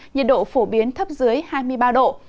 nhiệt độ phổ biến thấp dưới hai mươi ba độ